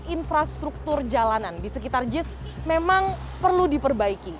infrastruktur jalanan di sekitar jis memang perlu diperbaiki